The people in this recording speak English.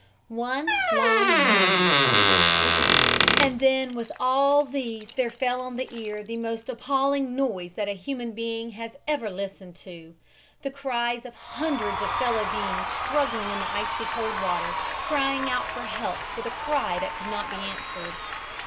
"ONE LONG MOAN" And then with all these there fell on the ear the most appalling noise that human being has ever listened to the cries of hundreds of fellow beings struggling in the icy cold water, crying for help with a cry that could not be answered.